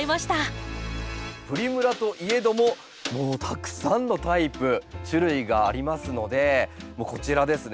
プリムラといえどももうたくさんのタイプ種類がありますのでもうこちらですね。